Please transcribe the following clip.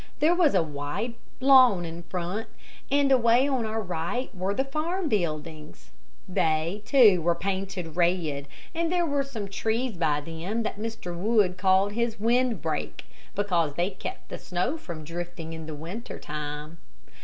There was a wide lawn in front, and away on our right were the farm buildings. They too, were painted red, and there were some trees by them that Mr. Wood called his windbreak, because they kept the snow from drifting in the winter time.